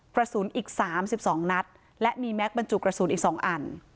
ประสุนอีกสามสิบสองนัดและมีแม็กซ์บรรจุประสุนอีกสองอัน